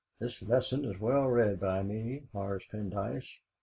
his Lesson is well read by me, Horace Pendyce.